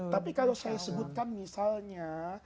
tapi kalau saya sebutkan misalnya